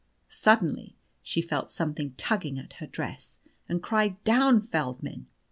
Suddenly she felt something tugging at her dress, and cried "Down, Feldmann!"